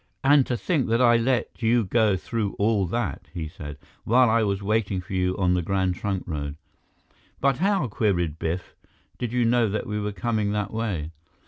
"And to think that I let you go through all that," he said, "while I was waiting for you on the Grand Trunk Road." "But how," queried Biff, "did you know that we were coming that way?"